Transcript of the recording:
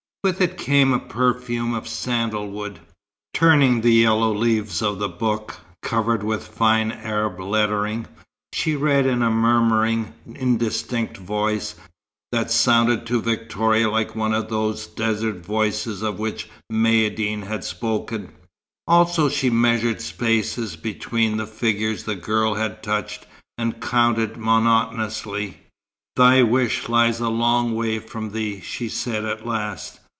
With it came a perfume of sandalwood. Turning the yellow leaves of the book, covered with fine Arab lettering, she read in a murmuring, indistinct voice, that sounded to Victoria like one of those desert voices of which Maïeddine had spoken. Also she measured spaces between the figures the girl had touched, and counted monotonously. "Thy wish lies a long way from thee," she said at last.